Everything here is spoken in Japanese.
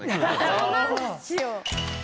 そうなんですよ。